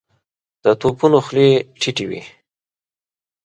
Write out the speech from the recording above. د توپونو خولې ټيټې وې.